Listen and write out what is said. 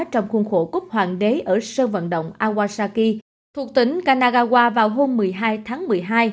trong khuôn khổ cúp hoàng đế ở sơn vận động awasaki thuộc tỉnh kanagawa vào hôm một mươi hai tháng một mươi hai